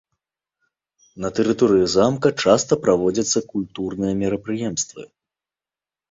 На тэрыторыі замка часта праводзяцца культурныя мерапрыемствы.